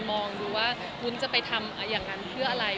มองดูว่าวุ้นจะไปทำอย่างนั้นเพื่ออะไร